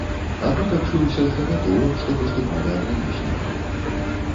Абутак шыўся з загатовак, што паступалі ад рамеснікаў.